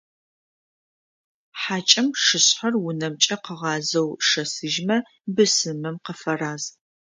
Хьакӏэм шышъхьэр унэмкӏэ къыгъазэу шэсыжьмэ, бысымым къыфэраз.